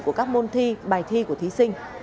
của các môn thi bài thi của thí sinh